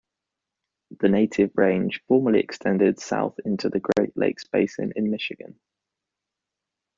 The native range formerly extended south into the Great Lakes basin in Michigan.